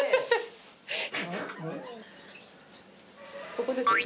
ここですよね。